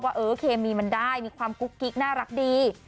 ว่าเออเคมีมันได้มีความกุ๊กกิ๊กน่ารักดี